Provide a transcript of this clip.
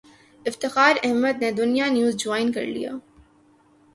افتخار احمد نے Dunya news join کر لیا